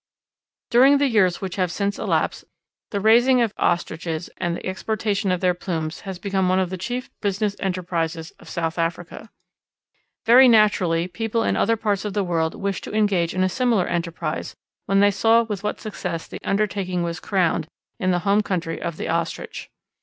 During the years which have since elapsed, the raising of Ostriches and the exportation of their plumes has become one of the chief business enterprises of South Africa. Very naturally people in other parts of the world wished to engage in a similar enterprise when they saw with what success the undertaking was crowned in the home country of the Ostrich.